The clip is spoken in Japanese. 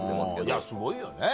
いやすごいよね